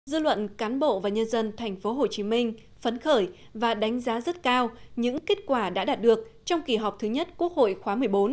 dư luận cán bộ và nhân dân tp hcm phấn khởi và đánh giá rất cao những kết quả đã đạt được trong kỳ họp thứ nhất quốc hội khóa một mươi bốn